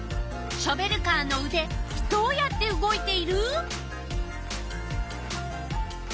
ショベルカーのうでどうやって動いている？